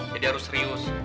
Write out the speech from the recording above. jadi harus serius